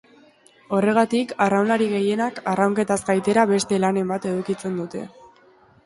Horregatik, arraunlari gehienek, arraunketaz gaitera, beste lanen bat edukitzen dute.